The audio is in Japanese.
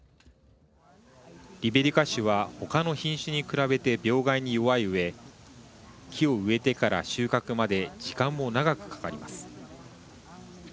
リベリカ種は他の品種に比べて病害に弱いうえ木を植えてから収穫まで時間も長くかかります。